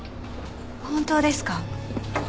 本当ですか？